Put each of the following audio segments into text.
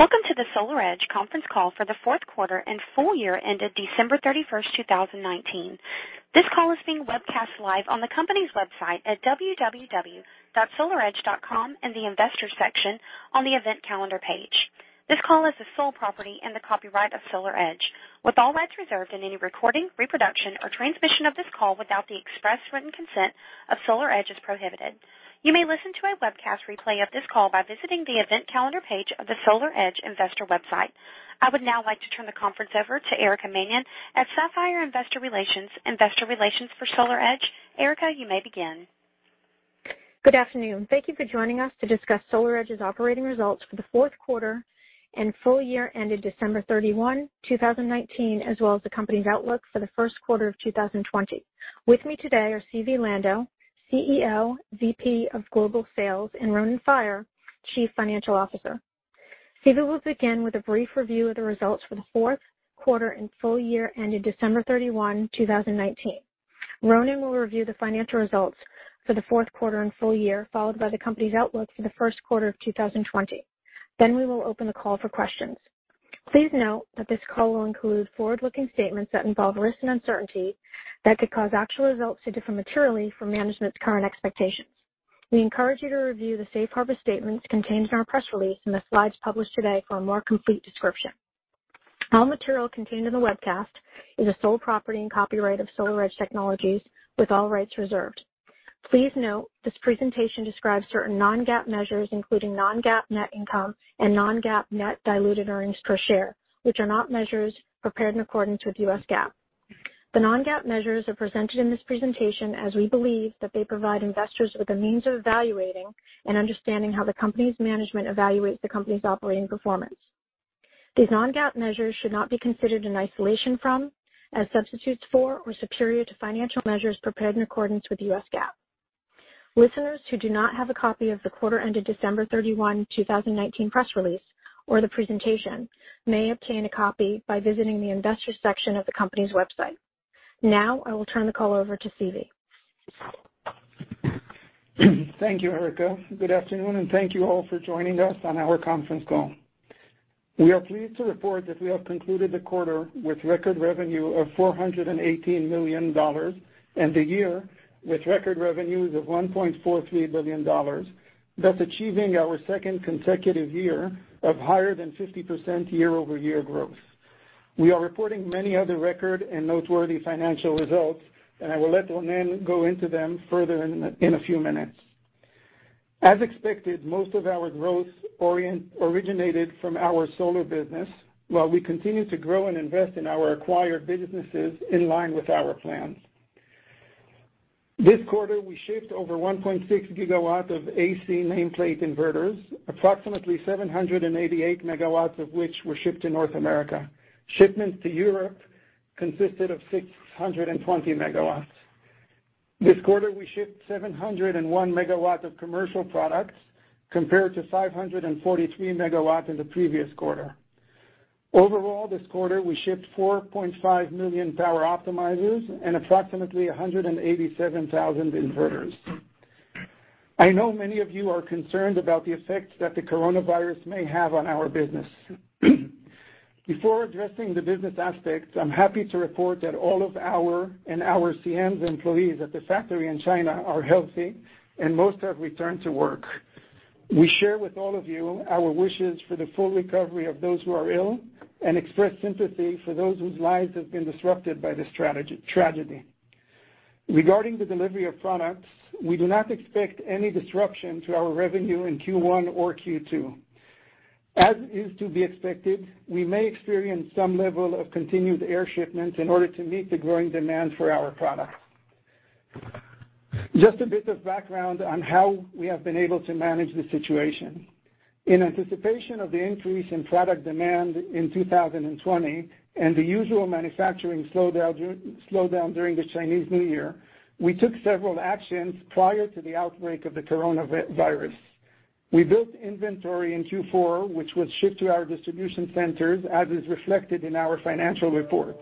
Welcome to the SolarEdge conference call for the fourth quarter and full year ended December 31st, 2019. This call is being webcast live on the company's website at www.solaredge.com in the Investors section on the Event Calendar page. This call is the sole property and the copyright of SolarEdge, with all rights reserved, and any recording, reproduction, or transmission of this call without the express written consent of SolarEdge is prohibited. You may listen to a webcast replay of this call by visiting the Event Calendar page of the SolarEdge investor website. I would now like to turn the conference over to Erica Mannion at Sapphire Investor Relations, investor relations for SolarEdge. Erica, you may begin. Good afternoon. Thank you for joining us to discuss SolarEdge's operating results for the fourth quarter and full year ended December 31st, 2019, as well as the company's outlook for the first quarter of 2020. With me today are Zvi Lando, CEO, VP of Global Sales, and Ronen Faier, Chief Financial Officer. Zvi will begin with a brief review of the results for the fourth quarter and full year ended December 31st, 2019. Ronen will review the financial results for the fourth quarter and full year, followed by the company's outlook for the first quarter of 2020. We will open the call for questions. Please note that this call will include forward-looking statements that involve risk and uncertainty that could cause actual results to differ materially from management's current expectations. We encourage you to review the safe harbor statements contained in our press release and the slides published today for a more complete description. All material contained in the webcast is the sole property and copyright of SolarEdge Technologies, with all rights reserved. Please note this presentation describes certain Non-GAAP measures, including Non-GAAP net income and Non-GAAP net diluted earnings per share, which are not measures prepared in accordance with U.S. GAAP. The Non-GAAP measures are presented in this presentation as we believe that they provide investors with a means of evaluating and understanding how the company's management evaluates the company's operating performance. These Non-GAAP measures should not be considered in isolation from, as substitutes for, or superior to financial measures prepared in accordance with US GAAP. Listeners who do not have a copy of the quarter ended December 31st, 2019, press release or the presentation may obtain a copy by visiting the Investors section of the company's website. Now, I will turn the call over to Zvi. Thank you, Erica. Good afternoon, and thank you all for joining us on our conference call. We are pleased to report that we have concluded the quarter with record revenue of $418 million, and the year with record revenues of $1.43 billion, thus achieving our second consecutive year of higher than 50% year-over-year growth. We are reporting many other record and noteworthy financial results, and I will let Ronen go into them further in a few minutes. As expected, most of our growth originated from our solar business, while we continue to grow and invest in our acquired businesses in line with our plans. This quarter, we shipped over 1.6 gigawatts of AC nameplate inverters, approximately 788 MW of which were shipped to North America. Shipments to Europe consisted of 620 MW. This quarter, we shipped 701 MW of commercial products, compared to 543 MW in the previous quarter. Overall, this quarter, we shipped 4.5 million Power Optimizers and approximately 187,000 inverters. I know many of you are concerned about the effects that the coronavirus may have on our business. Before addressing the business aspects, I'm happy to report that all of our and our CM's employees at the factory in China are healthy and most have returned to work. We share with all of you our wishes for the full recovery of those who are ill and express sympathy for those whose lives have been disrupted by this tragedy. Regarding the delivery of products, we do not expect any disruption to our revenue in Q1 or Q2. As is to be expected, we may experience some level of continued air shipments in order to meet the growing demand for our products. Just a bit of background on how we have been able to manage the situation. In anticipation of the increase in product demand in 2020 and the usual manufacturing slowdown during the Chinese New Year, we took several actions prior to the outbreak of the coronavirus. We built inventory in Q4, which was shipped to our distribution centers, as is reflected in our financial reports.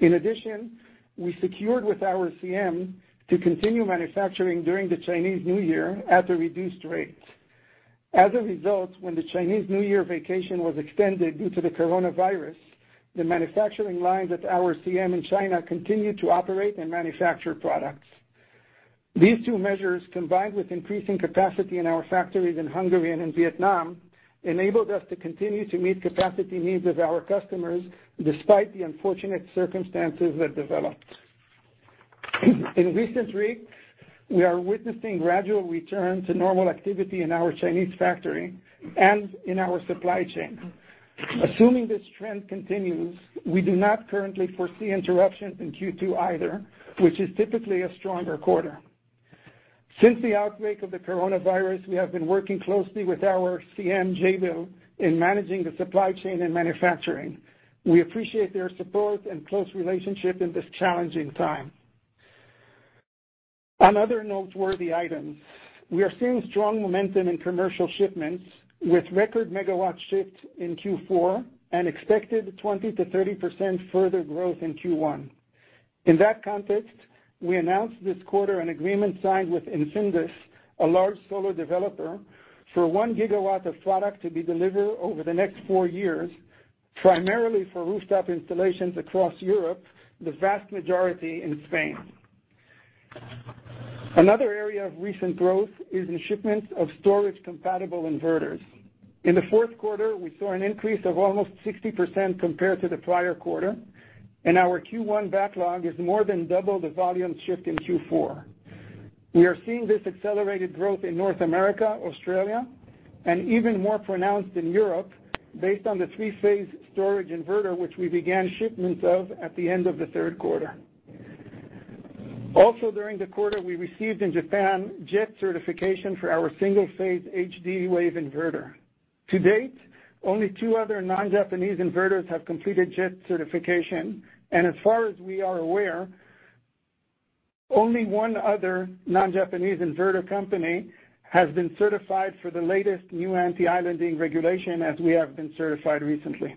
In addition, we secured with our CM to continue manufacturing during the Chinese New Year at a reduced rate. As a result, when the Chinese New Year vacation was extended due to the coronavirus, the manufacturing lines at our CM in China continued to operate and manufacture products. These two measures, combined with increasing capacity in our factories in Hungary and in Vietnam, enabled us to continue to meet capacity needs of our customers despite the unfortunate circumstances that developed. In recent weeks, we are witnessing gradual return to normal activity in our Chinese factory and in our supply chain. Assuming this trend continues, we do not currently foresee interruptions in Q2 either, which is typically a stronger quarter. Since the outbreak of the coronavirus, we have been working closely with our CM, Jabil, in managing the supply chain and manufacturing. We appreciate their support and close relationship in this challenging time. On other noteworthy items, we are seeing strong momentum in commercial shipments, with record megawatt shifts in Q4 and expected 20%-30% further growth in Q1. In that context, we announced this quarter an agreement signed with Enfindus, a large solar developer, for one gigawatt of product to be delivered over the next four years, primarily for rooftop installations across Europe, the vast majority in Spain. Another area of recent growth is in shipments of storage-compatible inverters. In the fourth quarter, we saw an increase of almost 60% compared to the prior quarter, and our Q1 backlog is more than double the volume shipped in Q4. We are seeing this accelerated growth in North America, Australia, and even more pronounced in Europe based on the three-phase storage inverter, which we began shipments of at the end of the third quarter. Also, during the quarter, we received in Japan, JET certification for our single-phase HD-Wave inverter. To date, only two other non-Japanese inverters have completed JET certification, and as far as we are aware, only one other non-Japanese inverter company has been certified for the latest new anti-islanding regulation as we have been certified recently.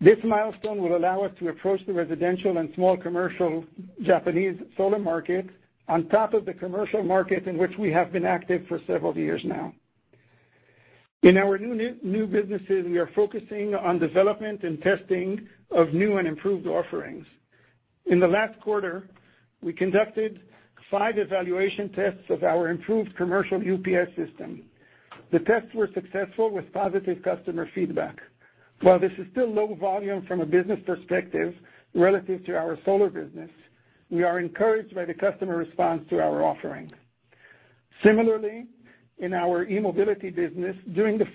This milestone will allow us to approach the residential and small commercial Japanese solar market on top of the commercial market in which we have been active for several years now. In our new businesses, we are focusing on development and testing of new and improved offerings. In the last quarter, we conducted five evaluation tests of our improved commercial UPS system. The tests were successful with positive customer feedback. While this is still low volume from a business perspective relative to our solar business, we are encouraged by the customer response to our offerings. Similarly, in our e-Mobility business, during the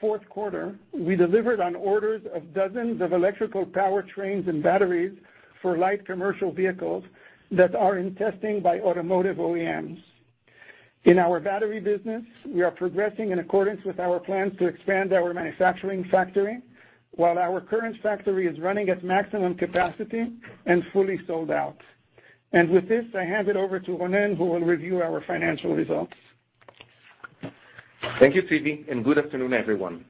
fourth quarter, we delivered on orders of dozens of electrical powertrains and batteries for light commercial vehicles that are in testing by automotive OEMs. In our battery business, we are progressing in accordance with our plans to expand our manufacturing factory, while our current factory is running at maximum capacity and fully sold out. With this, I hand it over to Ronen, who will review our financial results. Thank you, Zvi, and good afternoon, everyone.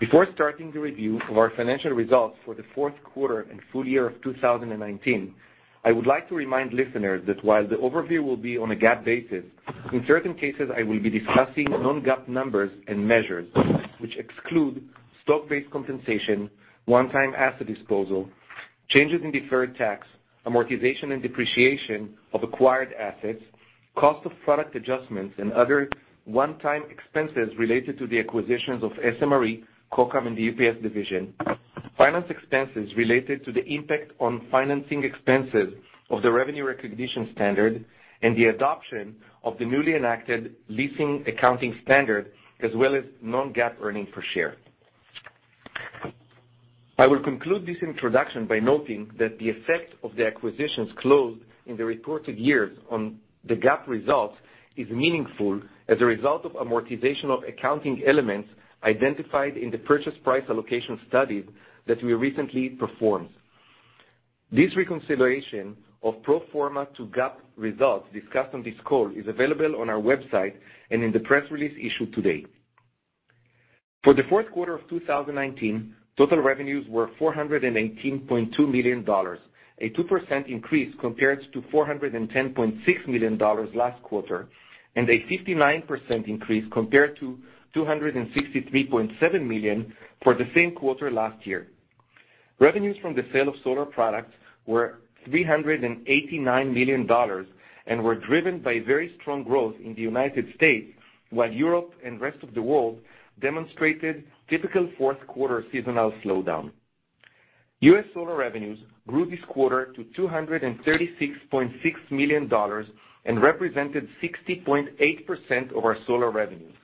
Before starting the review of our financial results for the fourth quarter and full year of 2019, I would like to remind listeners that while the overview will be on a GAAP basis, in certain cases, I will be discussing Non-GAAP numbers and measures, which exclude stock-based compensation, one-time asset disposal, changes in deferred tax, amortization and depreciation of acquired assets, cost of product adjustments and other one-time expenses related to the acquisitions of S.M.R.E., Kokam, and the UPS division, finance expenses related to the impact on financing expenses of the revenue recognition standard, and the adoption of the newly enacted leasing accounting standard, as well as Non-GAAP earnings per share. I will conclude this introduction by noting that the effect of the acquisitions closed in the reported years on the GAAP results is meaningful as a result of amortization of accounting elements identified in the purchase price allocation studies that we recently performed. This reconsideration of pro forma to GAAP results discussed on this call is available on our website and in the press release issued today. For the fourth quarter of 2019, total revenues were $418.2 million, a 2% increase compared to $410.6 million last quarter, and a 59% increase compared to $263.7 million for the same quarter last year. Revenues from the sale of solar products were $389 million and were driven by very strong growth in the U.S., while Europe and rest of the world demonstrated typical fourth quarter seasonal slowdown. U.S. solar revenues grew this quarter to $236.6 million and represented 60.8% of our solar revenues.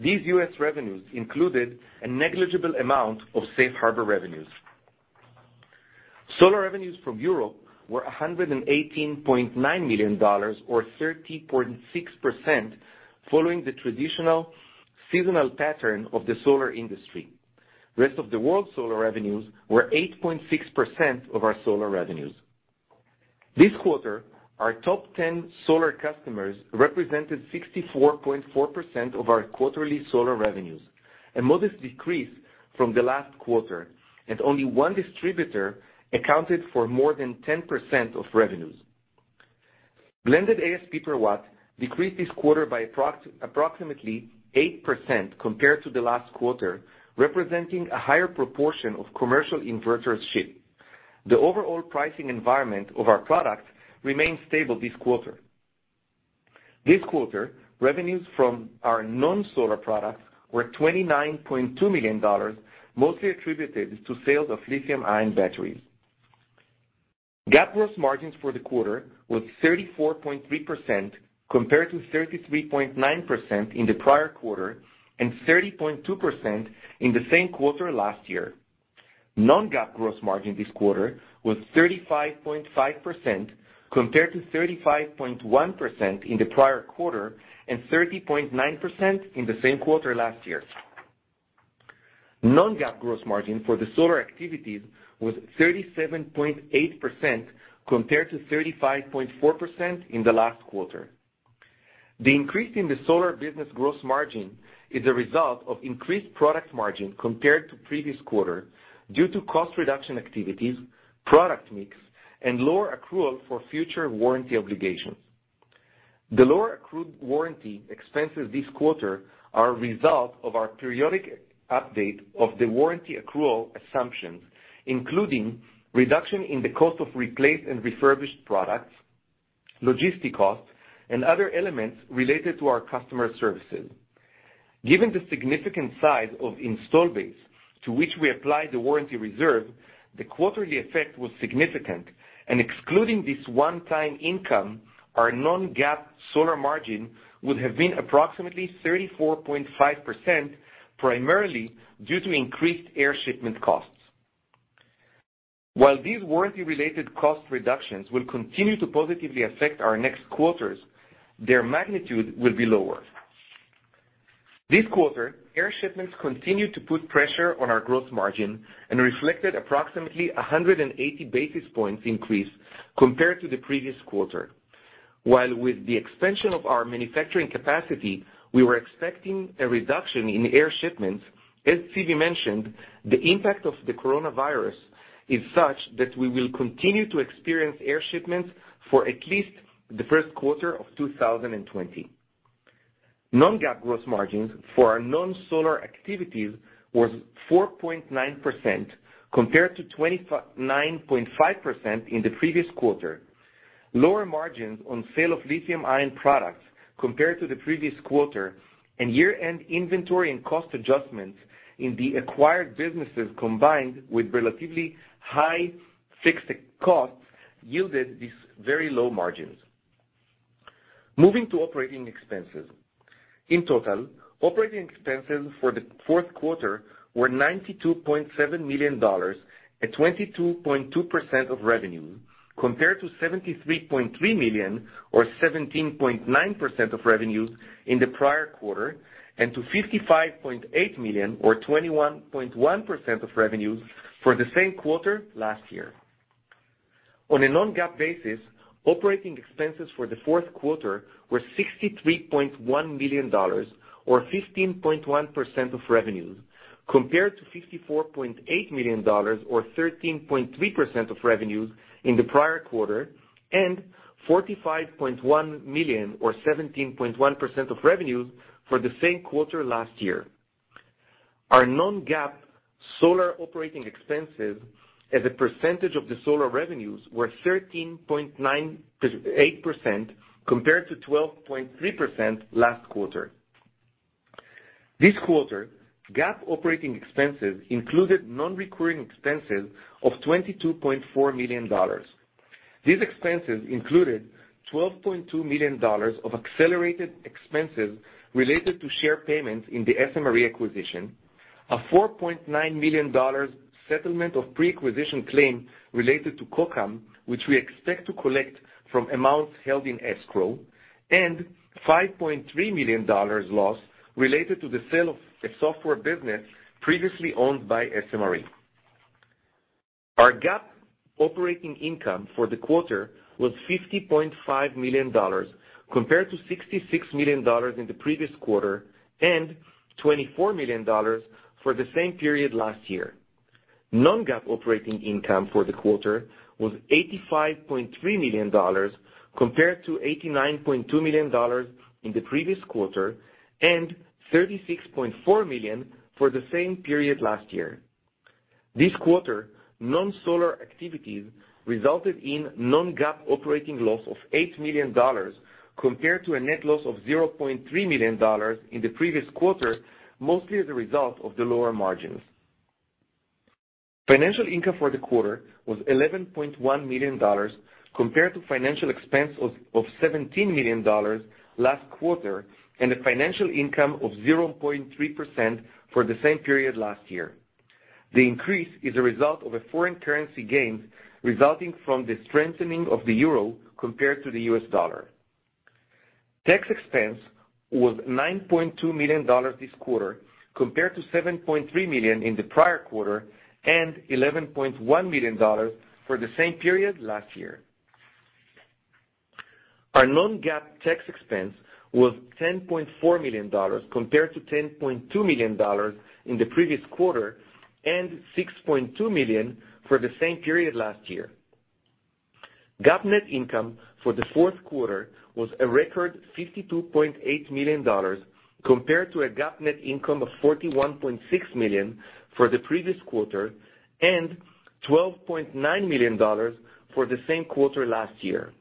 These U.S. revenues included a negligible amount of safe harbor revenues. Solar revenues from Europe were $118.9 million or 30.6% following the traditional seasonal pattern of the solar industry. Rest of the world solar revenues were 8.6% of our solar revenues. This quarter, our top 10 solar customers represented 64.4% of our quarterly solar revenues, a modest decrease from the last quarter, and only one distributor accounted for more than 10% of revenues. Blended ASP per watt decreased this quarter by approximately 8% compared to the last quarter, representing a higher proportion of commercial inverters shipped. The overall pricing environment of our products remained stable this quarter. This quarter, revenues from our non-solar products were $29.2 million, mostly attributed to sales of lithium-ion batteries. GAAP gross margins for the quarter was 34.3% compared to 33.9% in the prior quarter and 30.2% in the same quarter last year. Non-GAAP gross margin this quarter was 35.5% compared to 35.1% in the prior quarter and 30.9% in the same quarter last year. Non-GAAP gross margin for the solar activities was 37.8% compared to 35.4% in the last quarter. The increase in the solar business gross margin is a result of increased product margin compared to previous quarter due to cost reduction activities, product mix, and lower accrual for future warranty obligations. The lower accrued warranty expenses this quarter are a result of our periodic update of the warranty accrual assumptions, including reduction in the cost of replaced and refurbished products, logistic costs, and other elements related to our customer services. Given the significant size of install base to which we apply the warranty reserve, the quarterly effect was significant, and excluding this one-time income, our Non-GAAP solar margin would have been approximately 34.5%, primarily due to increased air shipment costs. While these warranty-related cost reductions will continue to positively affect our next quarters, their magnitude will be lower. This quarter, air shipments continued to put pressure on our gross margin and reflected approximately 180 basis points increase compared to the previous quarter. While with the expansion of our manufacturing capacity, we were expecting a reduction in air shipments, as Zvi mentioned, the impact of the coronavirus is such that we will continue to experience air shipments for at least the first quarter of 2020. Non-GAAP gross margins for our non-solar activities was 4.9%, compared to 29.5% in the previous quarter. Lower margins on sale of lithium-ion products compared to the previous quarter, and year-end inventory and cost adjustments in the acquired businesses, combined with relatively high fixed costs, yielded these very low margins. Moving to operating expenses. In total, operating expenses for the fourth quarter were $92.7 million, at 22.2% of revenue, compared to $73.3 million, or 17.9% of revenue in the prior quarter, and to $55.8 million, or 21.1% of revenue for the same quarter last year. On a Non-GAAP basis, operating expenses for the fourth quarter were $63.1 million, or 15.1% of revenue, compared to $54.8 million or 13.3% of revenue in the prior quarter, and $45.1 million or 17.1% of revenue for the same quarter last year. Our Non-GAAP solar operating expenses as a percentage of the solar revenues were 13.98% compared to 12.3% last quarter. This quarter, GAAP operating expenses included non-recurring expenses of $22.4 million. These expenses included $12.2 million of accelerated expenses related to share payments in the S.M.R.E. acquisition, a $4.9 million settlement of pre-acquisition claim related to Kokam, which we expect to collect from amounts held in escrow, and $5.3 million loss related to the sale of a software business previously owned by S.M.R.E. Our GAAP operating income for the quarter was $50.5 million compared to $66 million in the previous quarter and $24 million for the same period last year. Non-GAAP operating income for the quarter was $85.3 million, compared to $89.2 million in the previous quarter and $36.4 million for the same period last year. This quarter, Non-GAAP operating loss of non-solar activities resulted in $8 million, compared to a net loss of $0.3 million in the previous quarter, mostly as a result of the lower margins. Financial income for the quarter was $11.1 million, compared to financial expense of $17 million last quarter, and a financial income of 0.3% for the same period last year. The increase is a result of a foreign currency gain resulting from the strengthening of the euro compared to the U.S. dollar. Tax expense was $9.2 million this quarter, compared to $7.3 million in the prior quarter, and $11.1 million for the same period last year. Our Non-GAAP tax expense was $10.4 million, compared to $10.2 million in the previous quarter, and $6.2 million for the same period last year. GAAP net income for the fourth quarter was a record $52.8 million compared to a GAAP net income of $41.6 million for the previous quarter and $12.9 million for the same quarter last year.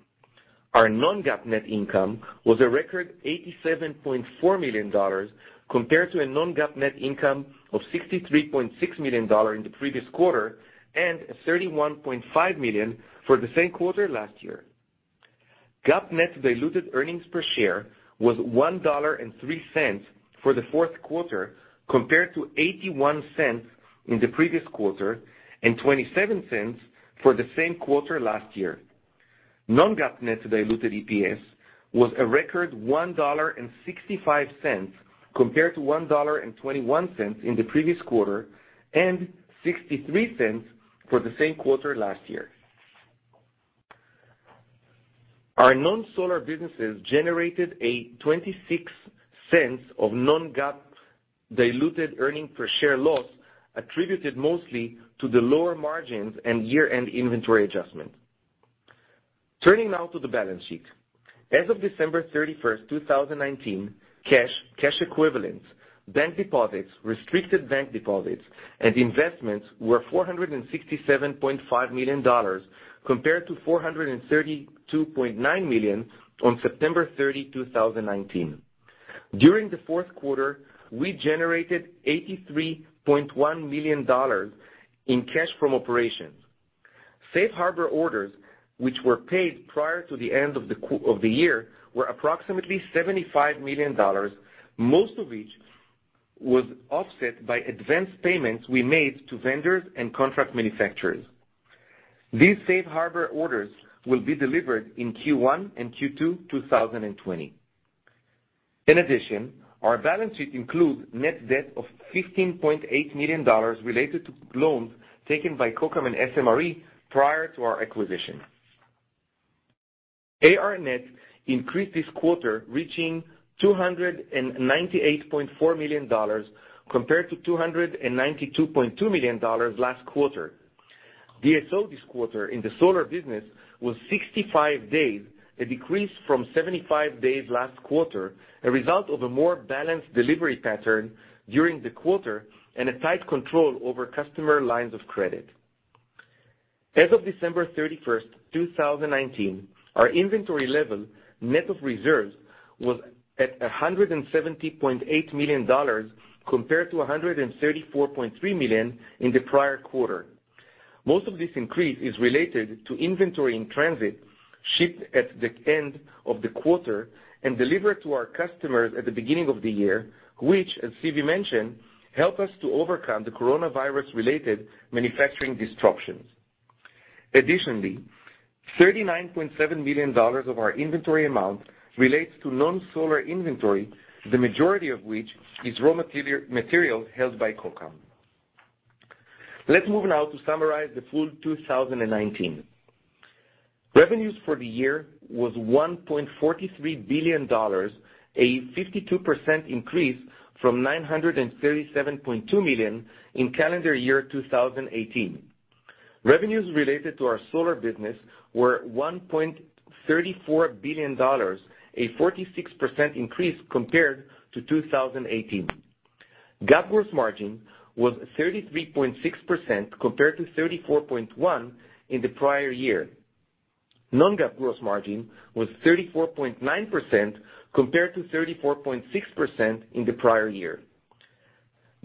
Our Non-GAAP net income was a record $87.4 million compared to a Non-GAAP net income of $63.6 million in the previous quarter and $31.5 million for the same quarter last year. GAAP net diluted earnings per share was $1.03 for the fourth quarter compared to $0.81 in the previous quarter and $0.27 for the same quarter last year. Non-GAAP net diluted EPS was a record $1.65 compared to $1.21 in the previous quarter and $0.63 for the same quarter last year. Our non-solar businesses generated a $0.26 of Non-GAAP diluted earning per share loss, attributed mostly to the lower margins and year-end inventory adjustment. Turning now to the balance sheet. As of December 31st, 2019, cash equivalents, bank deposits, restricted bank deposits, and investments were $467.5 million compared to $432.9 million on September 30th, 2019. During the fourth quarter, we generated $83.1 million in cash from operations. Safe harbor orders, which were paid prior to the end of the year, were approximately $75 million, most of which was offset by advanced payments we made to vendors and contract manufacturers. These safe harbor orders will be delivered in Q1 and Q2 2020. In addition, our balance sheet includes net debt of $15.8 million related to loans taken by Kokam and S.M.R.E. prior to our acquisition. AR net increased this quarter, reaching $298.4 million, compared to $292.2 million last quarter. DSO this quarter in the solar business was 65 days, a decrease from 75 days last quarter, a result of a more balanced delivery pattern during the quarter and a tight control over customer lines of credit. As of December 31st, 2019, our inventory level, net of reserves, was at $170.8 million, compared to $134.3 million in the prior quarter. Most of this increase is related to inventory in transit, shipped at the end of the quarter, and delivered to our customers at the beginning of the year, which, as Zvi mentioned, help us to overcome the coronavirus-related manufacturing disruptions. Additionally, $39.7 million of our inventory amount relates to non-solar inventory, the majority of which is raw material held by Kokam. Let's move now to summarize the full 2019. Revenues for the year was $1.43 billion, a 52% increase from $937.2 million in calendar year 2018. Revenues related to our solar business were $1.34 billion, a 46% increase compared to 2018. GAAP gross margin was 33.6% compared to 34.1% in the prior year. Non-GAAP gross margin was 34.9% compared to 34.6% in the prior year.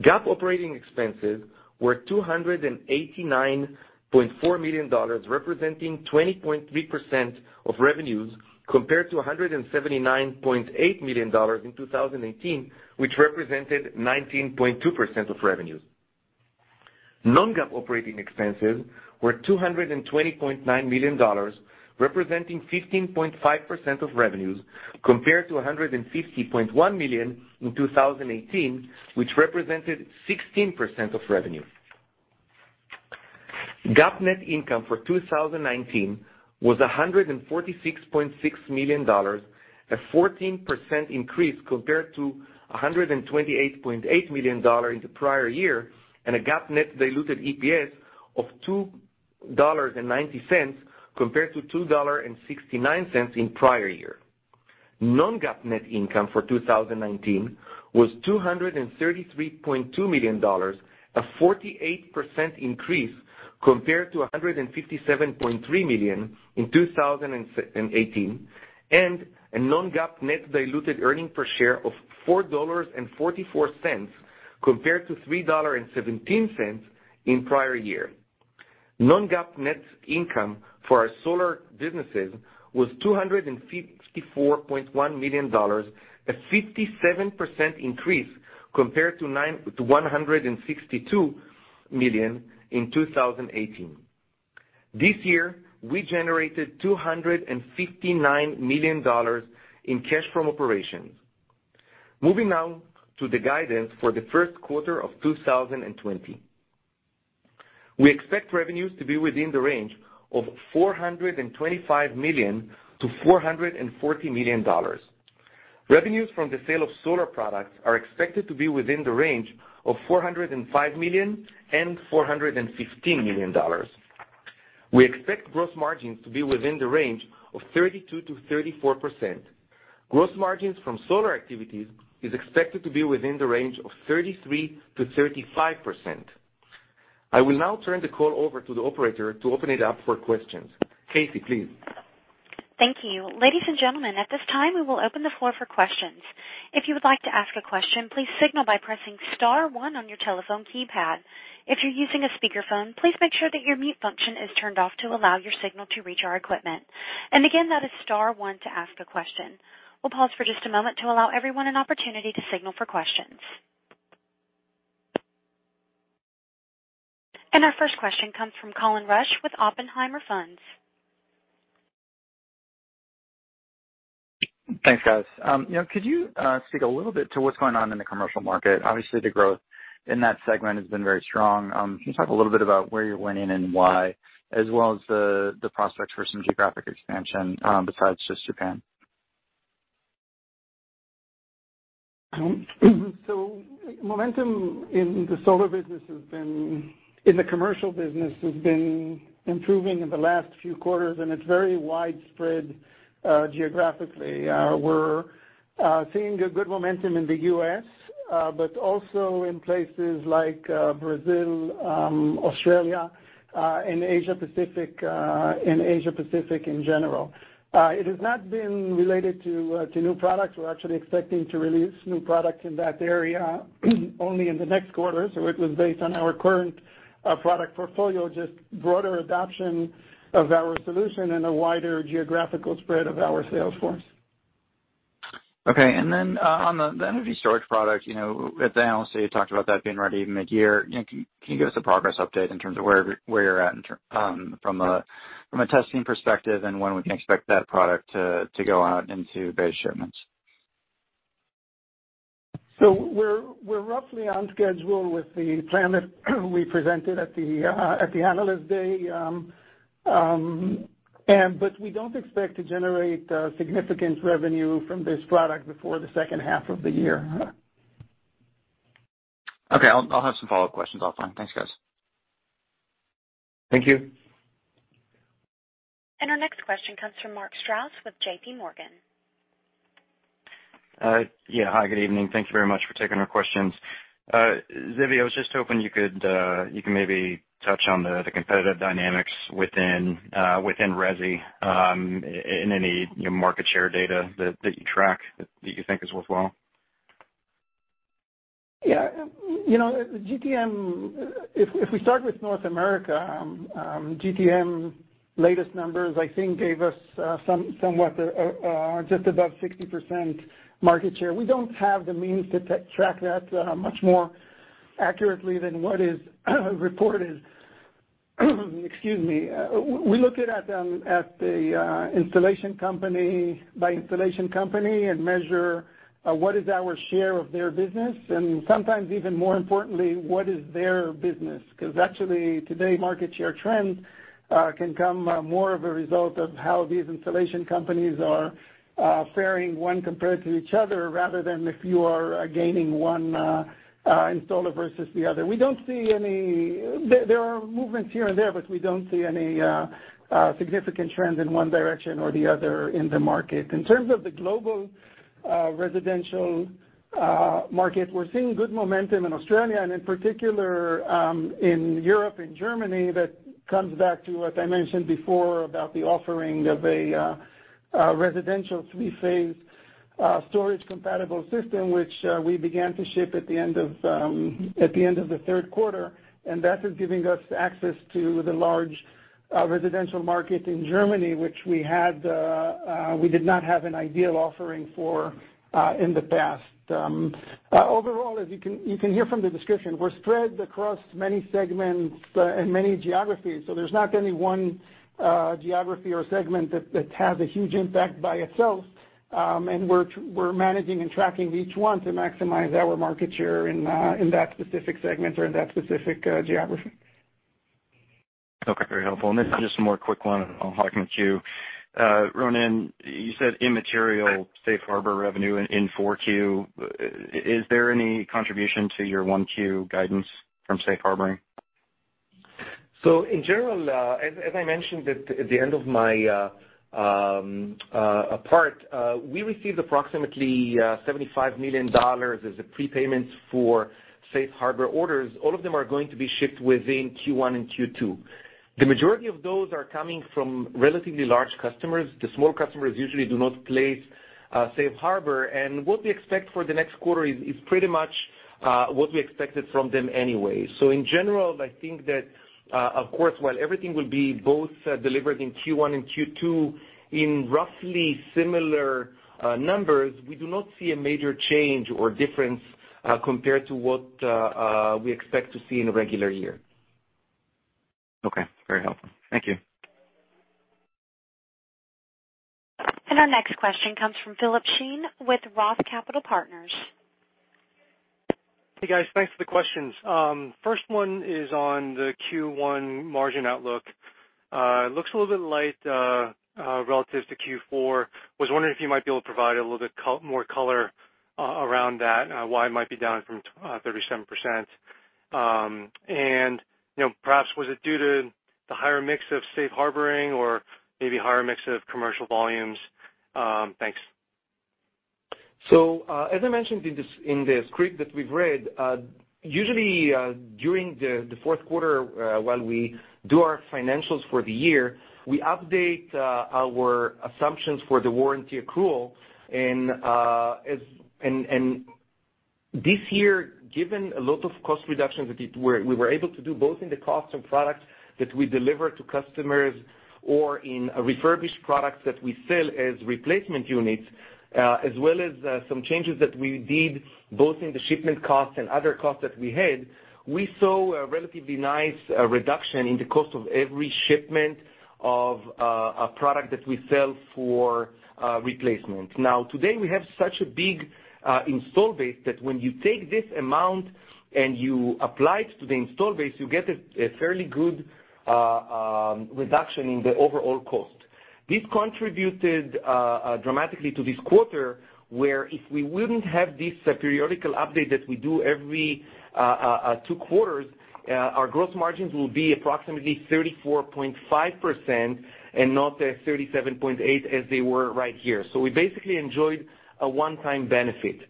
GAAP operating expenses were $289.4 million, representing 20.3% of revenues compared to $179.8 million in 2018, which represented 19.2% of revenues. Non-GAAP operating expenses were $220.9 million, representing 15.5% of revenues compared to $150.1 million in 2018, which represented 16% of revenue. GAAP net income for 2019 was $146.6 million, a 14% increase compared to $128.8 million in the prior year, and a GAAP net diluted EPS of $2.90 compared to $2.69 in prior year. Non-GAAP net income for 2019 was $233.2 million, a 48% increase compared to $157.3 million in 2018, and a Non-GAAP net diluted earnings per share of $4.44 compared to $3.17 in prior year. Non-GAAP net income for our solar businesses was $254.1 million, a 57% increase compared to $162 million in 2018. This year, we generated $259 million in cash from operations. Moving now to the guidance for the first quarter of 2020. We expect revenues to be within the range of $425 million-$440 million. Revenues from the sale of solar products are expected to be within the range of $405 million-$415 million. We expect gross margins to be within the range of 32%-34%. Gross margins from solar activities is expected to be within the range of 33%-35%. I will now turn the call over to the operator to open it up for questions. Casey, please. Thank you. Ladies and gentlemen, at this time, we will open the floor for questions. If you would like to ask a question, please signal by pressing star one on your telephone keypad. If you're using a speakerphone, please make sure that your mute function is turned off to allow your signal to reach our equipment. Again, that is star one to ask a question. We'll pause for just a moment to allow everyone an opportunity to signal for questions. Our first question comes from Colin Rusch with Oppenheimer & Co. Inc. Thanks, guys. Could you speak a little bit to what's going on in the commercial market? Obviously, the growth in that segment has been very strong. Can you talk a little bit about where you're winning and why, as well as the prospects for some geographic expansion, besides just Japan? Momentum in the solar business, in the commercial business, has been improving in the last few quarters, and it's very widespread geographically. We're seeing a good momentum in the U.S., but also in places like Brazil, Australia, and Asia-Pacific in general. It has not been related to new products. We're actually expecting to release new product in that area only in the next quarter. It was based on our current product portfolio, just broader adoption of our solution and a wider geographical spread of our sales force. On the energy storage product, at the analyst day, you talked about that being ready mid-year. Can you give us a progress update in terms of where you're at from a testing perspective and when we can expect that product to go out into beta shipments? We're roughly on schedule with the plan that we presented at the analyst day. We don't expect to generate significant revenue from this product before the second half of the year. Okay. I'll have some follow-up questions offline. Thanks, guys. Thank you. Our next question comes from Mark Strouse with JPMorgan. Hi, good evening. Thank you very much for taking our questions. Zvi, I was just hoping you could maybe touch on the competitive dynamics within RESI, and any market share data that you track that you think is worthwhile. Yeah. If we start with North America, GTM latest numbers, I think, gave us somewhat just above 60% market share. We don't have the means to track that much more accurately than what is reported. Excuse me. We look at the installation company by installation company and measure what is our share of their business, and sometimes even more importantly, what is their business? Actually, today, market share trends can come more of a result of how these installation companies are fairing one compared to each other, rather than if you are gaining one installer versus the other. We don't see any significant trends in one direction or the other in the market. In terms of the global residential market, we're seeing good momentum in Australia and in particular, in Europe, in Germany. That comes back to what I mentioned before about the offering of a residential three-phase storage compatible system, which we began to ship at the end of the third quarter, and that is giving us access to the large residential market in Germany, which we did not have an ideal offering for in the past. Overall, as you can hear from the description, we're spread across many segments and many geographies, so there's not any one geography or segment that has a huge impact by itself. We're managing and tracking each one to maximize our market share in that specific segment or in that specific geography. Okay. Very helpful. This is just a more quick one on 4Q. Ronen, you said immaterial safe harbor revenue in 4Q. Is there any contribution to your 1Q guidance from safe harboring? In general, as I mentioned at the end of my part, we received approximately $75 million as a prepayment for safe harbor orders. All of them are going to be shipped within Q1 and Q2. The majority of those are coming from relatively large customers. The small customers usually do not place safe harbor. What we expect for the next quarter is pretty much what we expected from them anyway. In general, I think that, of course, while everything will be both delivered in Q1 and Q2 in roughly similar numbers, we do not see a major change or difference, compared to what we expect to see in a regular year. Okay. Very helpful. Thank you. Our next question comes from Philip Shen with Roth Capital Partners. Hey, guys. Thanks for the questions. First one is on the Q1 margin outlook. It looks a little bit light, relative to Q4. Was wondering if you might be able to provide a little bit more color around that, why it might be down from 37%. Perhaps was it due to the higher mix of safe harbor or maybe higher mix of commercial volumes? Thanks. As I mentioned in the script that we've read, usually, during the fourth quarter, while we do our financials for the year, we update our assumptions for the warranty accrual. This year, given a lot of cost reductions that we were able to do, both in the cost of products that we deliver to customers or in refurbished products that we sell as replacement units, as well as some changes that we did both in the shipment costs and other costs that we had, we saw a relatively nice reduction in the cost of every shipment of a product that we sell for replacement. Today, we have such a big install base that when you take this amount and you apply it to the install base, you get a fairly good reduction in the overall cost. This contributed dramatically to this quarter, where if we wouldn't have this periodical update that we do every two quarters, our gross margins will be approximately 34.5% and not 37.8% as they were right here. We basically enjoyed a one-time benefit,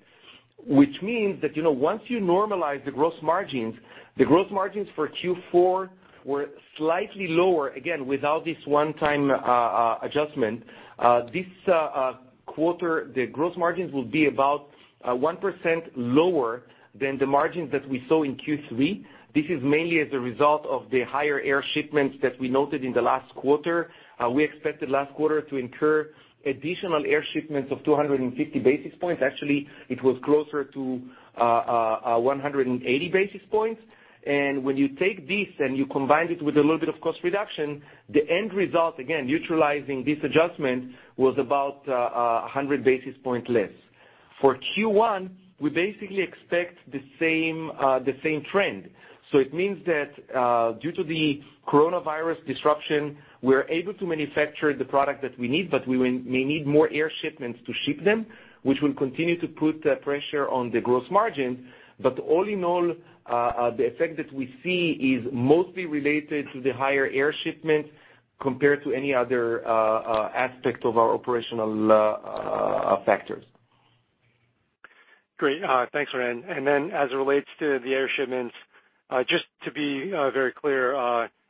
which means that once you normalize the gross margins, the gross margins for Q4 were slightly lower. Again, without this one-time adjustment, this quarter, the gross margins will be about 1% lower than the margins that we saw in Q3. This is mainly as a result of the higher air shipments that we noted in the last quarter. We expected last quarter to incur additional air shipments of 250 basis points. Actually, it was closer to 180 basis points. When you take this and you combine it with a little bit of cost reduction, the end result, again, neutralizing this adjustment, was about 100 basis points less. For Q1, we basically expect the same trend. It means that due to the coronavirus disruption, we're able to manufacture the product that we need, but we may need more air shipments to ship them, which will continue to put pressure on the gross margin. All in all, the effect that we see is mostly related to the higher air shipments compared to any other aspect of our operational factors. Great. Thanks, Ronen. As it relates to the air shipments, just to be very clear,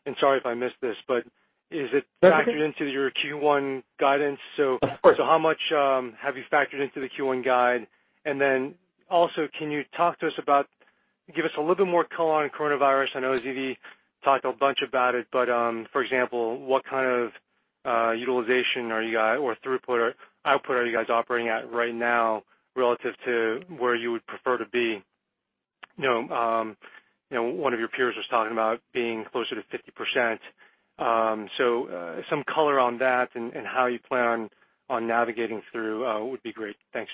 and sorry if I missed this. That's okay. factored into your Q1 guidance? Of course. How much have you factored into the Q1 guide? Also, can you give us a little bit more color on coronavirus? I know Zvi talked a bunch about it. For example, what kind of utilization or throughput or output are you guys operating at right now relative to where you would prefer to be? One of your peers was talking about being closer to 50%. Some color on that and how you plan on navigating through would be great. Thanks.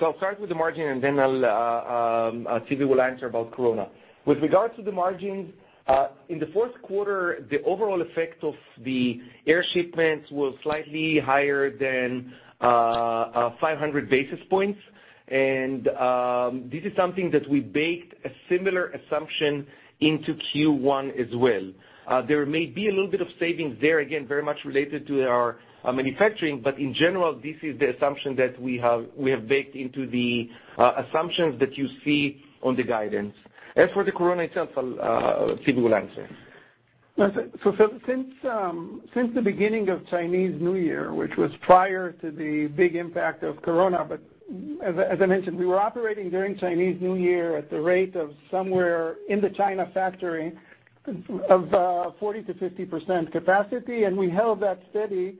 I'll start with the margin and then Zvi will answer about corona. With regard to the margins, in the fourth quarter, the overall effect of the air shipments was slightly higher than 500 basis points. This is something that we baked a similar assumption into Q1 as well. There may be a little bit of savings there, again, very much related to our manufacturing, but in general, this is the assumption that we have baked into the assumptions that you see on the guidance. As for the corona itself, Zivi will answer. Since the beginning of Chinese New Year, which was prior to the big impact of corona, as I mentioned, we were operating during Chinese New Year at the rate of somewhere in the China factory of 40%-50% capacity, and we held that steady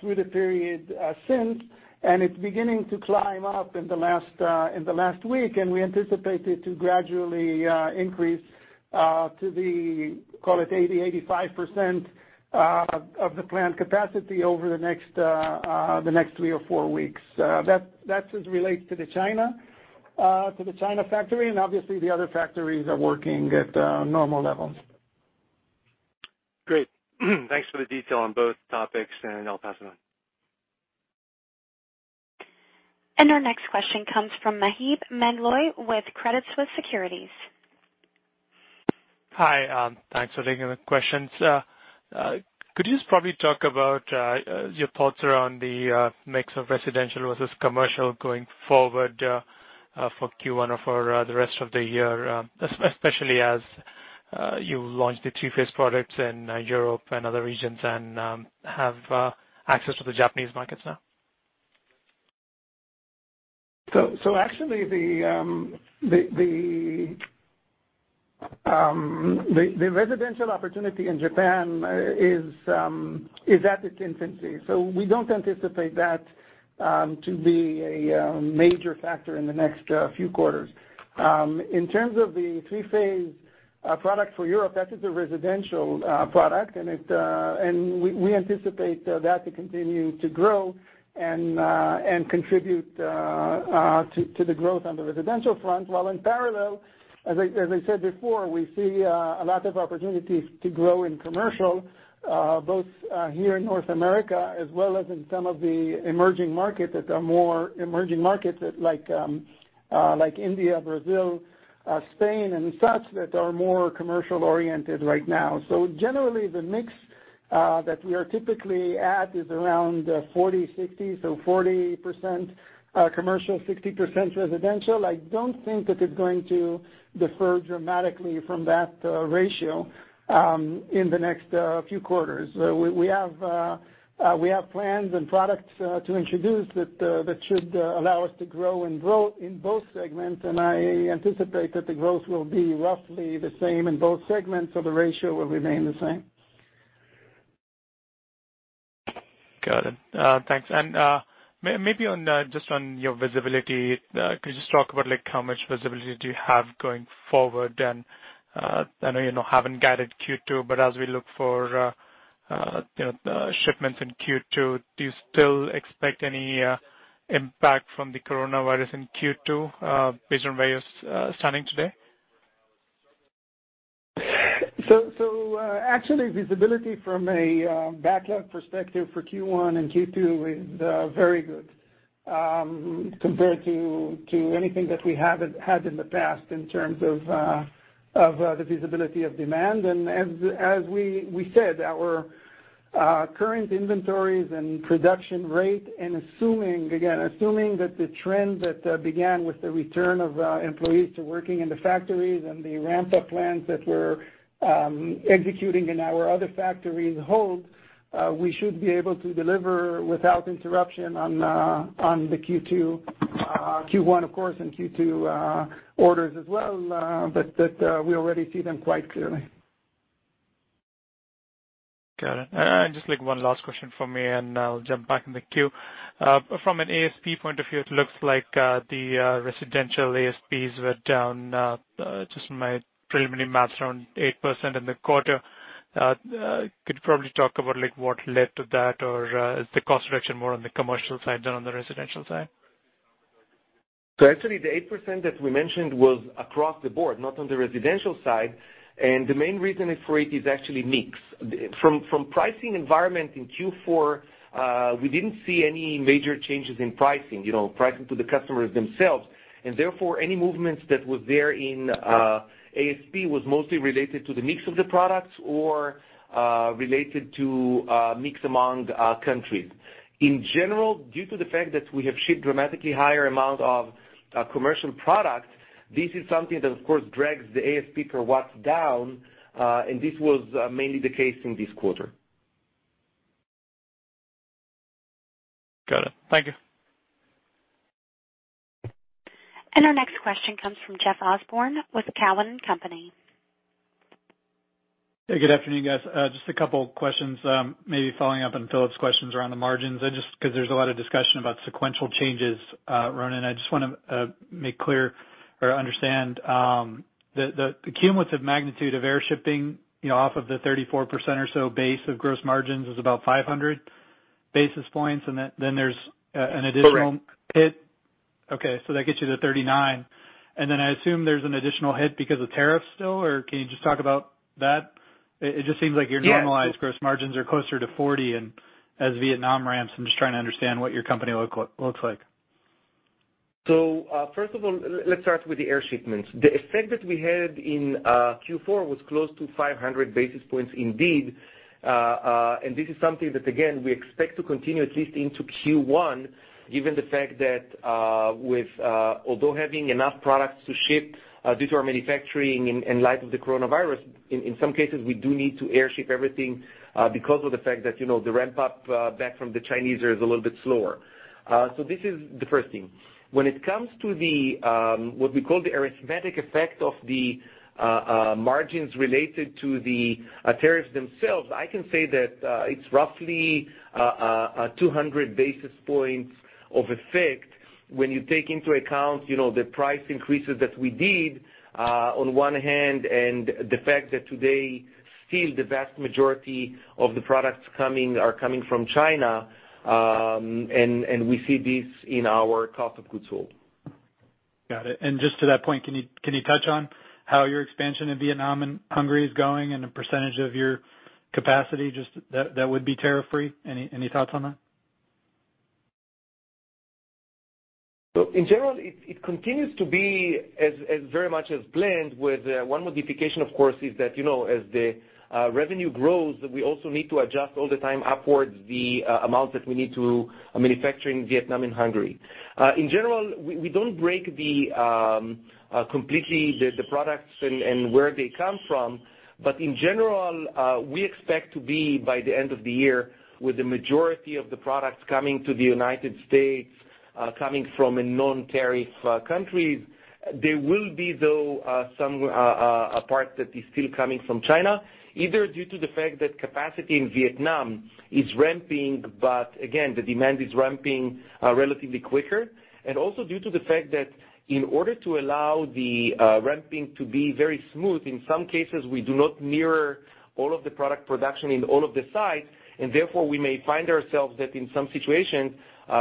through the period since. It's beginning to climb up in the last week, and we anticipate it to gradually increase to the, call it 80%-85% of the plant capacity over the next three or four weeks. That just relates to the China factory, and obviously the other factories are working at normal levels. Great. Thanks for the detail on both topics, and I'll pass it on. Our next question comes from Maheep Mandloi with Credit Suisse Securities. Hi, thanks for taking the questions. Could you just probably talk about your thoughts around the mix of residential versus commercial going forward for Q1 or for the rest of the year, especially as you launch the two-phase products in Europe and other regions and have access to the Japanese markets now? Actually, the residential opportunity in Japan is at its infancy, so we don't anticipate that to be a major factor in the next few quarters. In terms of the 3-phase product for Europe, that is a residential product, and we anticipate that to continue to grow and contribute to the growth on the residential front. While in parallel, as I said before, we see a lot of opportunities to grow in commercial, both here in North America as well as in some of the emerging markets that are more emerging markets like India, Brazil, Spain and such, that are more commercial oriented right now. Generally, the mix that we are typically at is around 40/60, so 40% commercial, 60% residential. I don't think that it's going to defer dramatically from that ratio in the next few quarters. We have plans and products to introduce that should allow us to grow in both segments, and I anticipate that the growth will be roughly the same in both segments, so the ratio will remain the same. Got it. Thanks. Maybe just on your visibility, could you just talk about how much visibility do you have going forward? I know you haven't guided Q2, as we look for shipments in Q2, do you still expect any impact from the coronavirus in Q2 based on where you're standing today? Actually, visibility from a backlog perspective for Q1 and Q2 is very good compared to anything that we have had in the past in terms of the visibility of demand. As we said, our current inventories and production rate, and again, assuming that the trend that began with the return of employees to working in the factories and the ramp-up plans that we're executing in our other factories hold, we should be able to deliver without interruption on the Q2, Q1 of course, and Q2 orders as well. That we already see them quite clearly. Got it. Just one last question from me, and I'll jump back in the queue. From an ASP point of view, it looks like the residential ASPs were down, just from my preliminary math, around 8% in the quarter. Could you probably talk about what led to that, or is the cost reduction more on the commercial side than on the residential side? Actually, the 8% that we mentioned was across the board, not on the residential side. The main reason for it is actually mix. From pricing environment in Q4, we didn't see any major changes in pricing to the customers themselves. Therefore, any movements that were there in ASP was mostly related to the mix of the products or related to mix among countries. In general, due to the fact that we have shipped dramatically higher amount of commercial products, this is something that, of course, drags the ASP per watt down, and this was mainly the case in this quarter. Got it. Thank you. Our next question comes from Jeff Osborne with Cowen and Company. Hey, good afternoon, guys. Just a couple of questions, maybe following up on Philip's questions around the margins. Just because there's a lot of discussion about sequential changes, Ronen, I just want to make clear or understand the cumulative magnitude of air shipping off of the 34% or so base of gross margins is about 500 basis points. Correct hit. Okay. That gets you to 39. I assume there's an additional hit because of tariffs still, or can you just talk about that? It just seems like your- Yes. normalized gross margins are closer to 40 as Vietnam ramps. I'm just trying to understand what your company looks like. First of all, let's start with the air shipments. The effect that we had in Q4 was close to 500 basis points indeed. This is something that, again, we expect to continue at least into Q1, given the fact that although having enough products to ship due to our manufacturing in light of the coronavirus, in some cases, we do need to air ship everything, because of the fact that the ramp-up back from the Chinese is a little bit slower. When it comes to what we call the arithmetic effect of the margins related to the tariffs themselves, I can say that it is roughly 200 basis points of effect when you take into account the price increases that we did on one hand and the fact that today, still, the vast majority of the products coming are coming from China, and we see this in our cost of goods sold. Got it. Just to that point, can you touch on how your expansion in Vietnam and Hungary is going and the percentage of your capacity just that would be tariff-free? Any thoughts on that? In general, it continues to be as very much as planned with one modification, of course, is that as the revenue grows, we also need to adjust all the time upwards the amount that we need to manufacture in Vietnam and Hungary. In general, we don't break completely the products and where they come from, but in general, we expect to be, by the end of the year, with the majority of the products coming to the United States, coming from non-tariff countries. There will be, though, a part that is still coming from China, either due to the fact that capacity in Vietnam is ramping, but again, the demand is ramping relatively quicker, and also due to the fact that in order to allow the ramping to be very smooth, in some cases, we do not mirror all of the product production in all of the sites, and therefore, we may find ourselves that in some situations,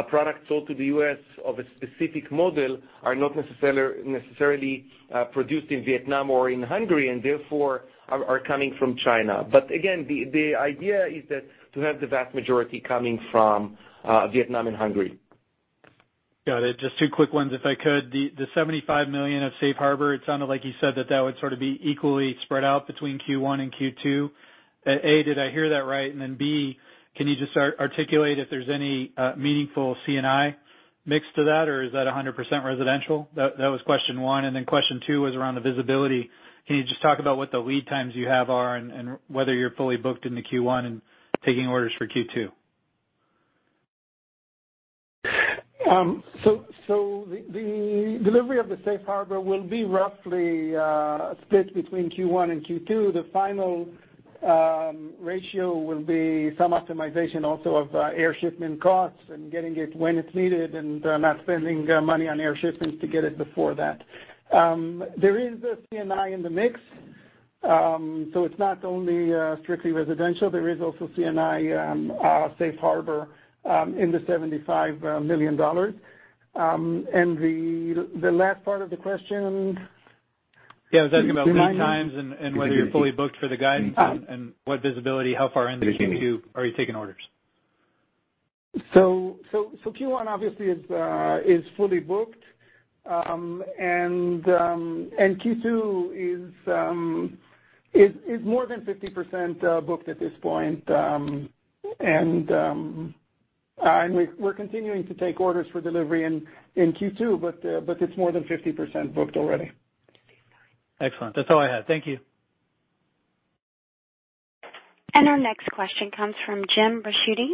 products sold to the U.S. of a specific model are not necessarily produced in Vietnam or in Hungary, and therefore, are coming from China. Again, the idea is that to have the vast majority coming from Vietnam and Hungary. Got it. Just two quick ones, if I could. The $75 million of Safe Harbor, it sounded like you said that that would sort of be equally spread out between Q1 and Q2. A, did I hear that right? B, can you just articulate if there's any meaningful C&I mix to that, or is that 100% residential? That was question one, and then question two was around the visibility. Can you just talk about what the lead times you have are and whether you're fully booked into Q1 and taking orders for Q2? The delivery of the Safe Harbor will be roughly split between Q1 and Q2. The final ratio will be some optimization also of air shipment costs and getting it when it's needed and not spending money on air shipments to get it before that. There is a C&I in the mix. It's not only strictly residential. There is also C&I safe harbor in the $75 million. The last part of the question? Yeah, I was asking about lead times and whether you're fully booked for the guidance and what visibility, how far into Q2 are you taking orders? Q1 obviously is fully booked. Q2 is more than 50% booked at this point. We're continuing to take orders for delivery in Q2, but it's more than 50% booked already. Excellent. That's all I had. Thank you. Our next question comes from Jim Ricchiuti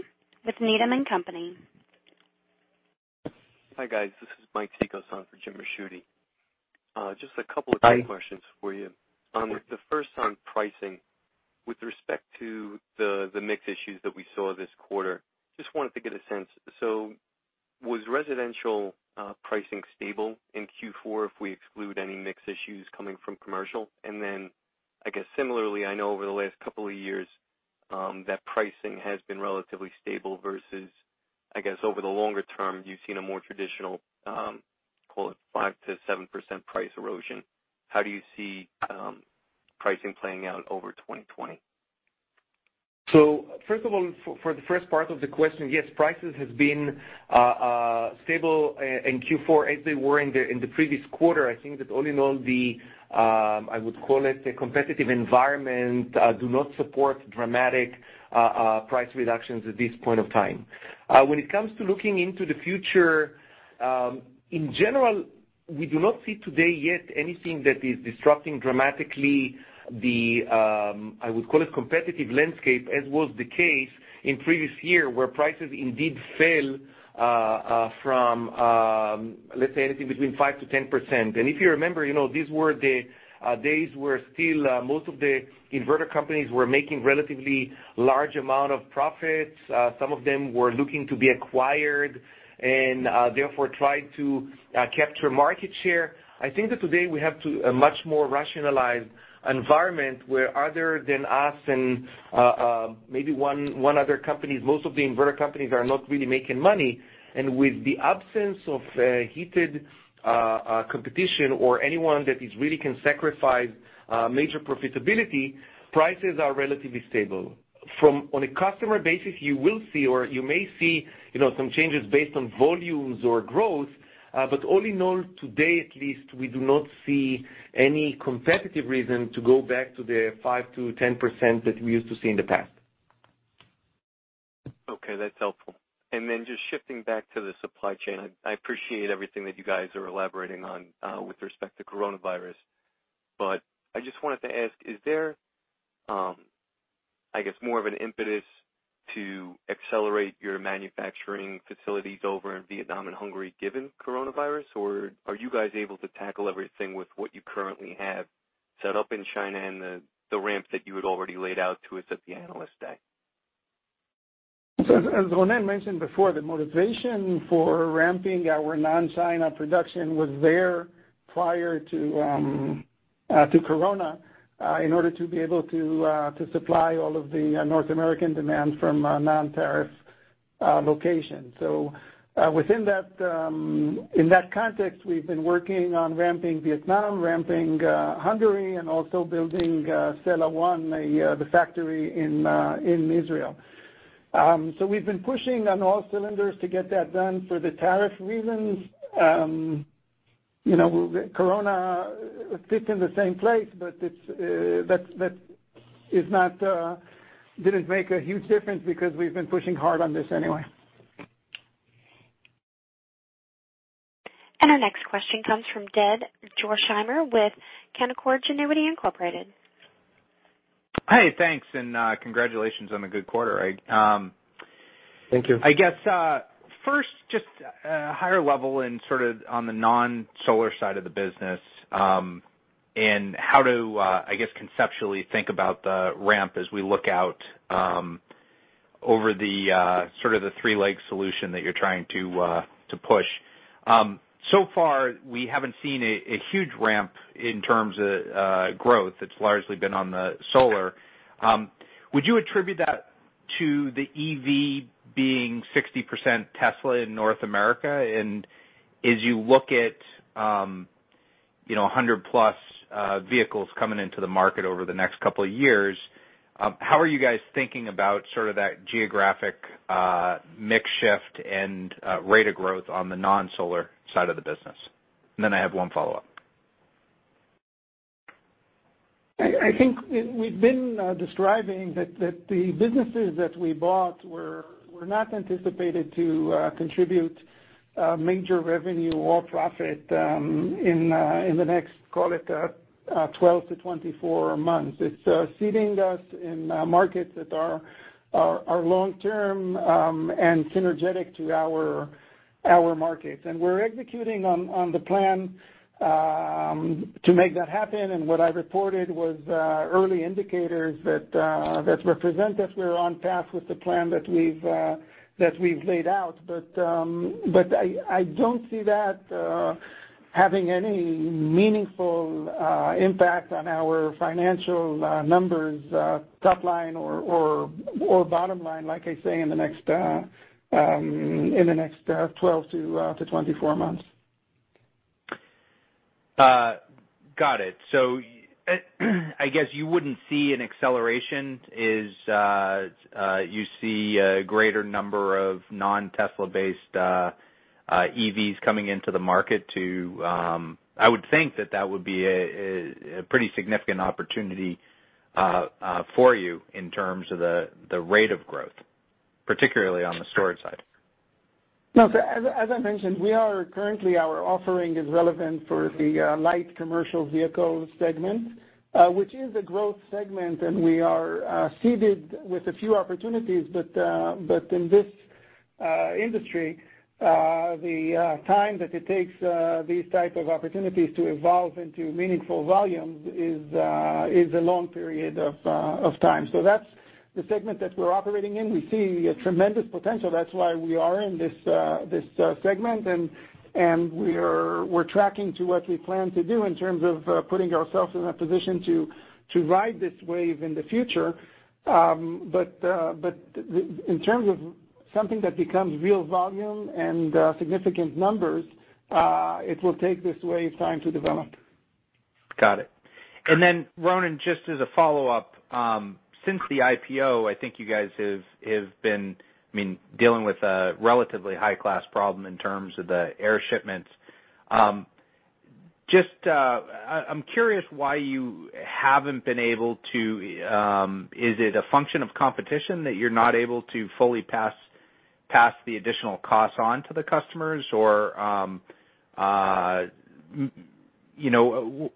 with Needham & Company. Hi, guys. This is Michael Sicuro for James Ricchiuti. Just a couple of quick questions for you. The first on pricing, with respect to the mix issues that we saw this quarter, just wanted to get a sense. Was residential pricing stable in Q4 if we exclude any mix issues coming from commercial? I guess similarly, I know over the last couple of years, that pricing has been relatively stable versus, I guess, over the longer term, you've seen a more traditional, call it 5%-7% price erosion. How do you see pricing playing out over 2020? First of all, for the first part of the question, yes, prices has been stable in Q4 as they were in the previous quarter. I think that all in all, I would call it a competitive environment, do not support dramatic price reductions at this point of time. When it comes to looking into the future, in general, we do not see today yet anything that is disrupting dramatically the, I would call it competitive landscape, as was the case in previous year, where prices indeed fell from, let's say anything between 5%-10%. If you remember, these were the days where still most of the inverter companies were making relatively large amount of profits. Some of them were looking to be acquired and, therefore, tried to capture market share. I think that today we have a much more rationalized environment where other than us and maybe one other company, most of the inverter companies are not really making money. With the absence of heated competition or anyone that is really can sacrifice major profitability, prices are relatively stable. On a customer basis, you will see, or you may see some changes based on volumes or growth. All in all, today at least, we do not see any competitive reason to go back to the 5%-10% that we used to see in the past. Okay, that's helpful. Just shifting back to the supply chain, I appreciate everything that you guys are elaborating on with respect to coronavirus. I just wanted to ask, is there, I guess, more of an impetus to accelerate your manufacturing facilities over in Vietnam and Hungary given coronavirus, or are you guys able to tackle everything with what you currently have set up in China and the ramp that you had already laid out to us at the Analyst Day? As Ronen mentioned before, the motivation for ramping our non-China production was there prior to Corona, in order to be able to supply all of the North American demand from a non-tariff location. Within that context, we've been working on ramping Vietnam, ramping Hungary, and also building Sella 1, the factory in Israel. We've been pushing on all cylinders to get that done for the tariff reasons. Corona fits in the same place, but that didn't make a huge difference because we've been pushing hard on this anyway. Our next question comes from Jed Dorsheimer with Canaccord Genuity Incorporated. Hey, thanks, and congratulations on the good quarter. Thank you. I guess, first, just higher level and sort of on the non-solar side of the business, and how to, I guess, conceptually think about the ramp as we look out over the three-leg solution that you're trying to push. So far, we haven't seen a huge ramp in terms of growth. It's largely been on the solar. Would you attribute that to the EV being 60% Tesla in North America? As you look at 100+ vehicles coming into the market over the next couple of years, how are you guys thinking about sort of that geographic mix shift and rate of growth on the non-solar side of the business? I have one follow-up. I think we've been describing that the businesses that we bought were not anticipated to contribute major revenue or profit in the next, call it, 12 months - 24 months. It's seeding us in markets that are long-term and synergetic to our markets. We're executing on the plan to make that happen, and what I reported was early indicators that represent that we're on path with the plan that we've laid out. I don't see that Having any meaningful impact on our financial numbers, top line or bottom line, like I say, in the next 12 months-24 months. Got it. I guess you wouldn't see an acceleration as you see a greater number of non-Tesla-based EVs coming into the market. I would think that that would be a pretty significant opportunity for you in terms of the rate of growth, particularly on the storage side. No. As I mentioned, currently our offering is relevant for the light commercial vehicle segment, which is a growth segment, and we are seeded with a few opportunities. In this industry, the time that it takes these type of opportunities to evolve into meaningful volume is a long period of time. That's the segment that we're operating in. We see a tremendous potential. That's why we are in this segment, and we're tracking to what we plan to do in terms of putting ourselves in a position to ride this wave in the future. In terms of something that becomes real volume and significant numbers, it will take this wave time to develop. Got it. Ronen, just as a follow-up, since the IPO, I think you guys have been dealing with a relatively high-class problem in terms of the air shipments. I'm curious why you haven't been able to. Is it a function of competition that you're not able to fully pass the additional cost on to the customers, or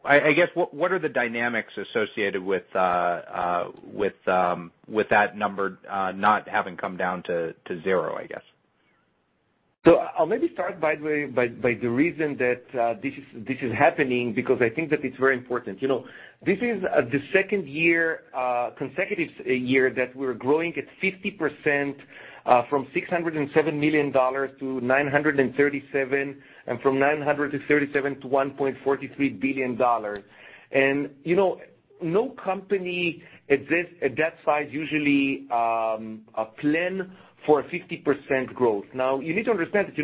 I guess, what are the dynamics associated with that number not having come down to zero? I'll maybe start, by the way, by the reason that this is happening, because I think that it's very important. This is the second consecutive year that we're growing at 50%, from $607 million - $937 million, and from $937 million - $1.43 billion. No company exists at that size, usually plan for a 50% growth. You need to understand that,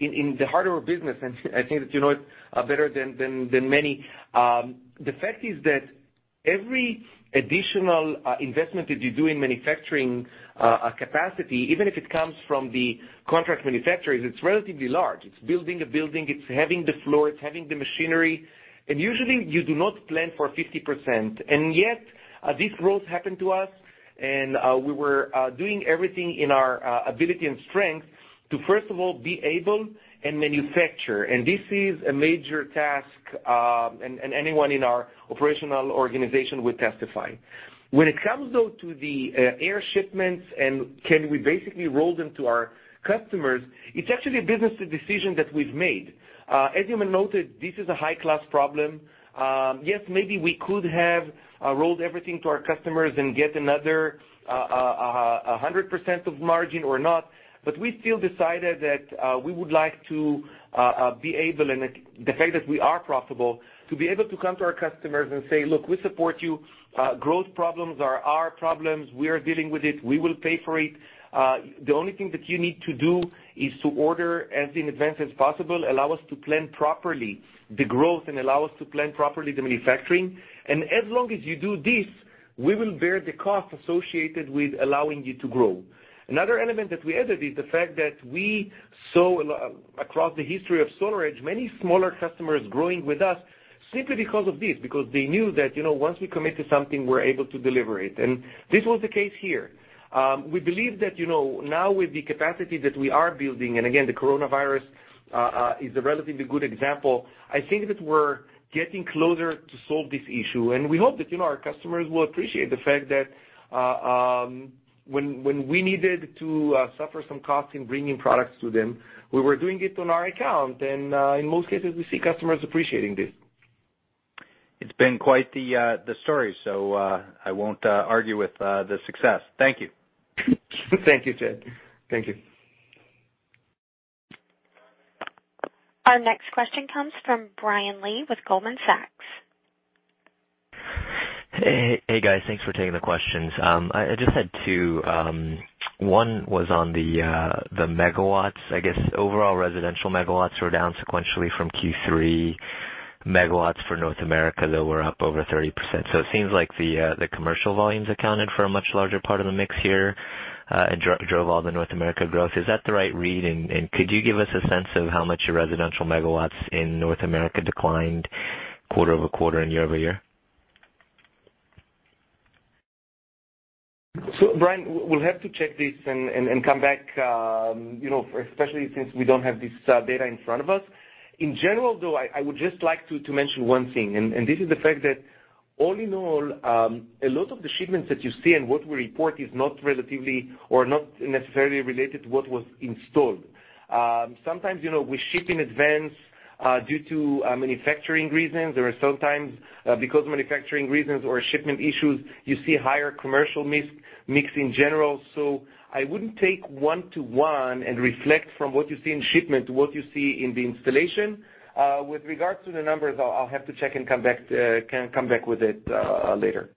in the heart of our business, and I think that you know it better than many, the fact is that every additional investment that you do in manufacturing capacity, even if it comes from the contract manufacturers, it's relatively large. It's building a building, it's having the floor, it's having the machinery. Usually you do not plan for 50%, and yet this growth happened to us, and we were doing everything in our ability and strength to first of all be able and manufacture. This is a major task, and anyone in our operational organization would testify. When it comes, though, to the air shipments and can we basically roll them to our customers, it's actually a business decision that we've made. As Ronen noted, this is a high-class problem. Maybe we could have rolled everything to our customers and get another 100% of margin or not, but we still decided that we would like to be able, and the fact that we are profitable, to be able to come to our customers and say, "Look, we support you. Growth problems are our problems. We are dealing with it. We will pay for it. The only thing that you need to do is to order as in advance as possible, allow us to plan properly the growth, and allow us to plan properly the manufacturing. As long as you do this, we will bear the cost associated with allowing you to grow." Another element that we added is the fact that we saw, across the history of SolarEdge, many smaller customers growing with us simply because of this, because they knew that once we commit to something, we're able to deliver it. This was the case here. We believe that now with the capacity that we are building, and again, the coronavirus is a relatively good example, I think that we're getting closer to solve this issue, and we hope that our customers will appreciate the fact that when we needed to suffer some cost in bringing products to them, we were doing it on our account. In most cases, we see customers appreciating this. It's been quite the story, so I won't argue with the success. Thank you. Thank you, Jed. Thank you. Our next question comes from Brian Lee with Goldman Sachs. Hey, guys. Thanks for taking the questions. I just had two. One was on the MW. I guess overall residential MW were down sequentially from Q3. MW for North America, though, were up over 30%. It seems like the commercial volumes accounted for a much larger part of the mix here, and drove all the North America growth. Is that the right read? Could you give us a sense of how much your residential MW in North America declined quarter-over-quarter and year-over-year? Brian, we'll have to check this and come back, especially since we don't have this data in front of us. In general, though, I would just like to mention one thing, and this is the fact that all in all, a lot of the shipments that you see and what we report is not relatively or not necessarily related to what was installed. Sometimes we ship in advance due to manufacturing reasons. There are some times, because of manufacturing reasons or shipment issues, you see higher commercial mix in general. I wouldn't take one to one and reflect from what you see in shipment to what you see in the installation. With regards to the numbers, I'll have to check and come back with it later.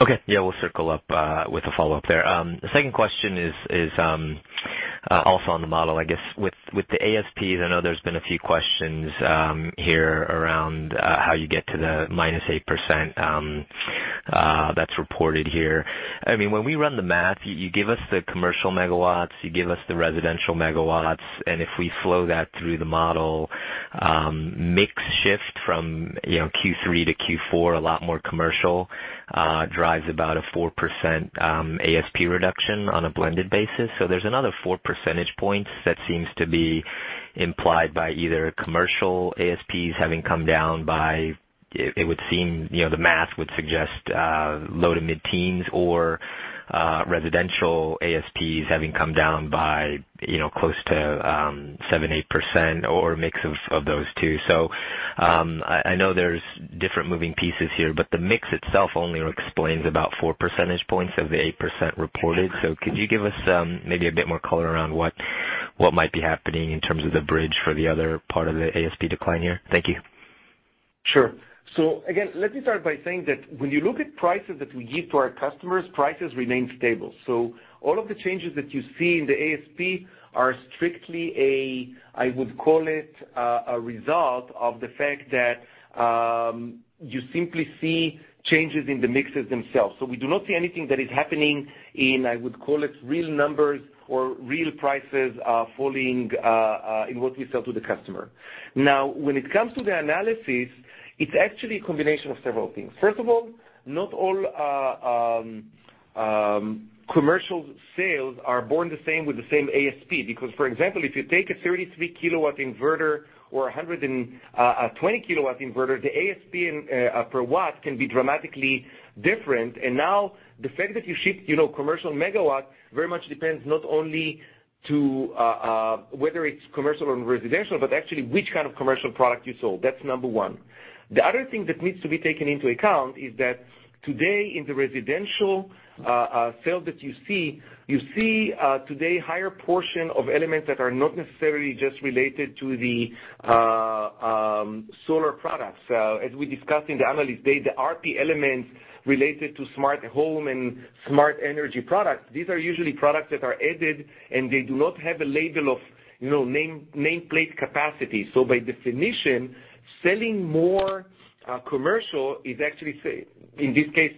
Okay. We'll circle up with a follow-up there. The second question is also on the model, I guess, with the ASPs. I know there's been a few questions here around how you get to the -8% that's reported here. When we run the math, you give us the commercial MW, you give us the residential MW, and if we flow that through the model, mix shift from Q3 - Q4, a lot more commercial, drives about a 4% ASP reduction on a blended basis. There's another four percentage points that seems to be implied by either commercial ASPs having come down by, the math would suggest low to mid-teens, or residential ASPs having come down by close to 7%, 8% or a mix of those two. I know there's different moving pieces here, but the mix itself only explains about four percentage points of the 8% reported. Could you give us maybe a bit more color around what might be happening in terms of the bridge for the other part of the ASP decline here? Thank you. Again, let me start by saying that when you look at prices that we give to our customers, prices remain stable. All of the changes that you see in the ASP are strictly a result of the fact that you simply see changes in the mixes themselves. We do not see anything that is happening in real numbers or real prices falling in what we sell to the customer. Now, when it comes to the analysis, it's actually a combination of several things. First of all, not all commercial sales are born the same with the same ASP. For example, if you take a 33-kilowatt inverter or 120-kilowatt inverter, the ASP per watt can be dramatically different. Now, the fact that you ship commercial MW very much depends not only to whether it's commercial or residential, but actually which kind of commercial product you sold. That's number one. The other thing that needs to be taken into account is that today in the residential sales that you see, you see today higher portion of elements that are not necessarily just related to the solar products. As we discussed in the Analyst Day, the RP elements related to smart home and smart energy products, these are usually products that are added, and they do not have a label of nameplate capacity. By definition, selling more commercial is actually, in this case,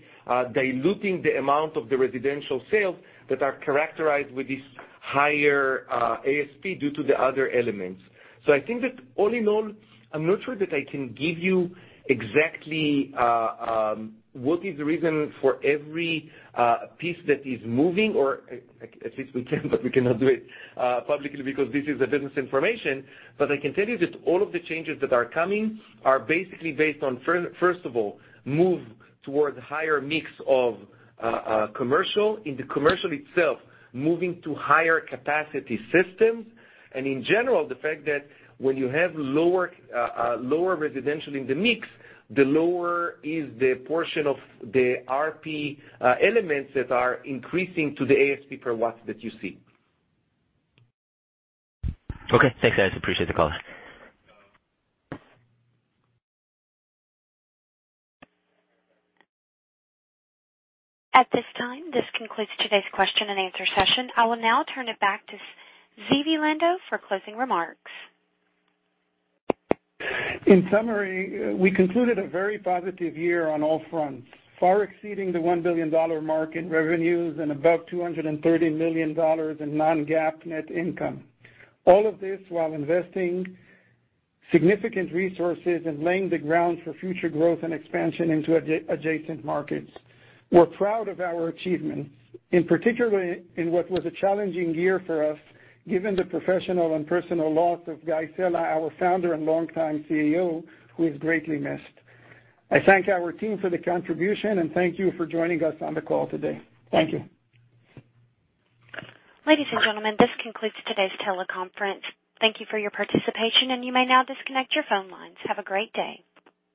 diluting the amount of the residential sales that are characterized with this higher ASP due to the other elements. I think that all in all, I'm not sure that I can give you exactly what is the reason for every piece that is moving, or at least we can, but we cannot do it publicly because this is a business information. I can tell you that all of the changes that are coming are basically based on, first of all, move towards higher mix of commercial. In the commercial itself, moving to higher capacity systems. In general, the fact that when you have lower residential in the mix, the lower is the portion of the RP elements that are increasing to the ASP per watt that you see. Okay, thanks, guys. Appreciate the call. At this time, this concludes today's question and answer session. I will now turn it back to Zvi Lando for closing remarks. In summary, we concluded a very positive year on all fronts, far exceeding the $1 billion mark in revenues and above $230 million in Non-GAAP net income. All of this while investing significant resources and laying the ground for future growth and expansion into adjacent markets. We're proud of our achievements, in particular, in what was a challenging year for us, given the professional and personal loss of Guy Sella, our founder and longtime CEO, who is greatly missed. I thank our team for the contribution, and thank you for joining us on the call today. Thank you. Ladies and gentlemen, this concludes today's teleconference. Thank you for your participation, and you may now disconnect your phone lines. Have a great day.